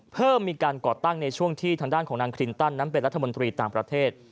เพิ่มมีการก่อตั้งในช่วงที่ทางด้านของนางคลินตันนั้นเป็นรัฐมนตรีต่างประเทศ